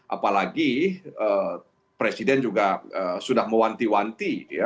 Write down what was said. apalagi presiden juga sudah mewanti wanti ya